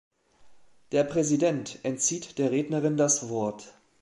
Der Präsident entzieht der Rednerin das Wort.